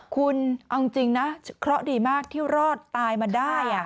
คุณเอาจริงนะเคราะห์ดีมากที่รอดตายมาได้